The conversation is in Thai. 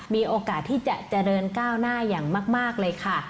มีโอกาสที่จะเจริญก้าวหน้าอย่างมากเลยค่ะ